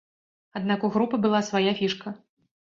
Аднак у групы была свая фішка.